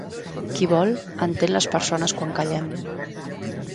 Qui vol, entén les persones quan callem.